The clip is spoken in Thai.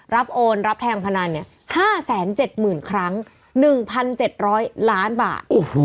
รับโอนรับแทนผนันเนี่ย๕๗๐๐๐๐ครั้ง๑๗๐๐ล้านบาท